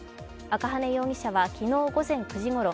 赤羽容疑者は昨日午前９時ごろ